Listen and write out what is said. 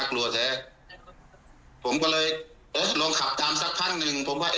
เขาเรียกลุงเอาไว้เพราะว่ามันจะเกิดอันตราย